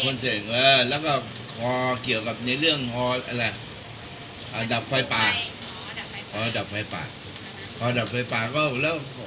และเกี่ยวในฮดับไฟปลา